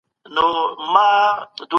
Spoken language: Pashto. چي يو ځل بيا